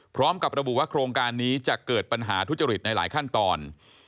พร้อมกับระบุว่าโครงการนี้จะเกิดปัญหาทุจริตในหลายขั้นตอน